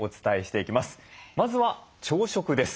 まずは朝食です。